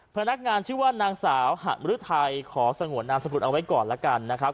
พนักงานชื่อว่านางสาวหะมรือไทยขอสงวนนามสกุลเอาไว้ก่อนละกันนะครับ